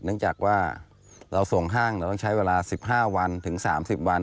เนื่องจากว่าเราส่งห้างเราต้องใช้เวลา๑๕วันถึง๓๐วัน